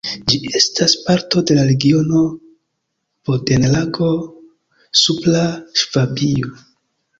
Ĝi estas parto de la regiono Bodenlago-Supra Ŝvabio.